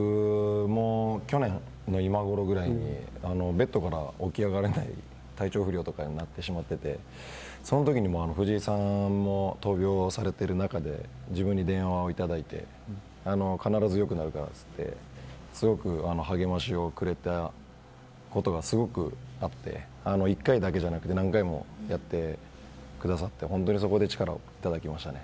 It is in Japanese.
去年の今頃ぐらいにベッドから起き上がれない体調不良とかになってしまっていてそのときに藤井さんも闘病をされている中で自分に電話をいただいて必ず良くなるからといって強く励ましをくれたことがすごくあって１回だけじゃなくて何回もあって本当にそこで力をいただきました。